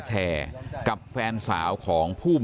ท่านดูเหตุการณ์ก่อนนะครับ